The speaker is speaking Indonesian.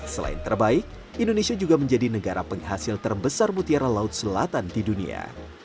selain terbaik indonesia juga menjadi negara penghasil terbesar mutiara laut selatan di dunia